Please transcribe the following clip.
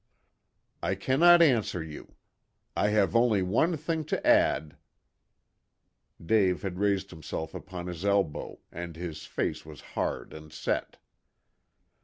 "I cannot answer you. I have only one thing to add." Dave had raised himself upon his elbow, and his face was hard and set.